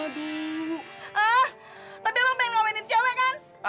ah tapi abang pengen ngawinin cewek kan